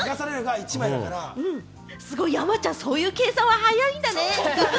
山ちゃん、そういう計算は早いんだね。